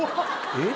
えっ！？